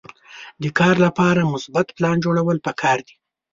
د کار لپاره مثبت پلان جوړول پکار دي.